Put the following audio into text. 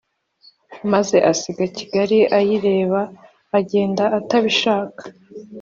maze asiga kigali ayireba agenda atabishaka.